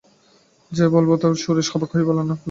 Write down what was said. যাই বল না আমি কিন্তু– সুরেশ অবাক হয়ে বললেন, কী বল তুমি!